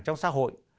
trong xã hội